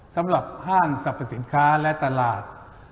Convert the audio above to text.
ห้างสรรพสินค้าและตลาด